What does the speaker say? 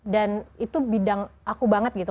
dan itu bidang aku banget gitu